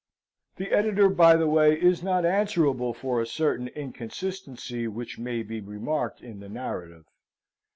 The Editor, by the way, is not answerable for a certain inconsistency, which may be remarked in the narrative.